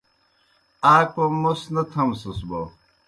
آ کوْم موْس نہ تھمسَس بوْ